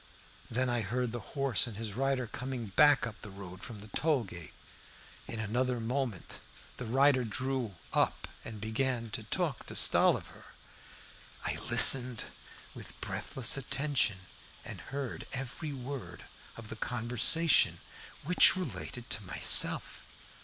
Then I heard the horse and his rider coming back up the road from the tollgate. In another moment the rider drew up and began to talk to Stolliver. I listened with breathless attention, and heard every word of the conversation, which related to myself.